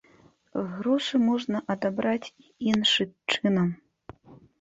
Грошы можна адабраць і іншы чынам.